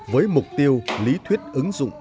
với mục tiêu lý thuyết ứng dụng